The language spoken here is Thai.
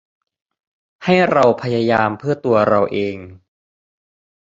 ให้เราพยายามเพื่อตัวเราเอง